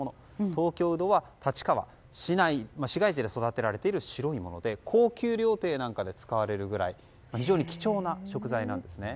東京ウドは立川市街地で育てられている白いもので高級料亭なんかで使われるぐらい非常に貴重な食材なんですね。